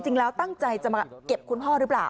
จริงแล้วตั้งใจจะมาเก็บคุณพ่อหรือเปล่า